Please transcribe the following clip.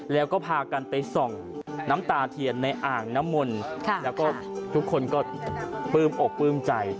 แล้วก็พากันไปส่องน้ำตาเทียนในอ่างน้ำมนต์แล้วก็ทุกคนก็ปลื้มอกปลื้มใจ